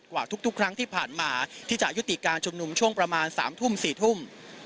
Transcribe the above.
กว่าทุกครั้งที่ผ่านมาที่จะยุติการชุมนุมช่วงประมาณ๓ทุ่ม๔ทุ่ม